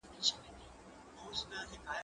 زه اجازه لرم چي منډه ووهم!؟